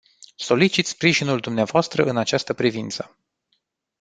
Solicit sprijinul dumneavoastră în această privință.